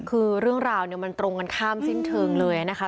คือเรื่องราวเนี่ยมันตรงกันข้ามสิ้นเทิงเลยนะคะ